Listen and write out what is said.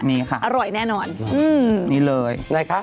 นี่ค่ะอร่อยแน่นอนอืมนี่เลย